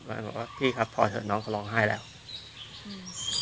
บอกว่าพี่ครับพอเถอะน้องเขาร้องไห้แล้วอืม